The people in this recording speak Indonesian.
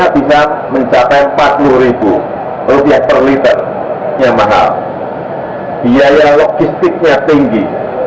biaya logistiknya tinggi